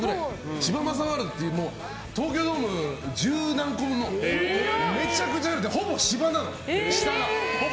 芝政ワールドという東京ドーム十何個分のめちゃくちゃ広くてほぼ芝なの、下が。